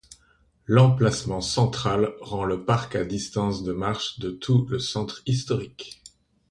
L'emplacement central rend le parc à distance de marche de tout le centre historique.